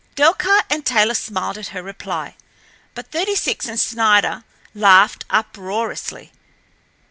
Delcarte and Taylor smiled at her reply, but Thirty six and Snider laughed uproariously.